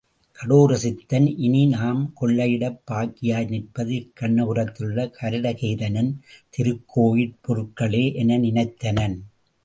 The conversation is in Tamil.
கடோர சித்தன் இனி நாம் கொள்ளையிடப் பாக்கியாய் நிற்பது இக் கண்ணபுரத்திலுள்ள கருடகேதனன் திருக்கோயிற்பொருள்களே என நினைத்தனன்.